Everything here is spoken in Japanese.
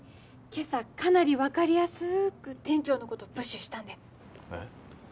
今朝かなり分かりやすく店長のことプッシュしたんでえっ？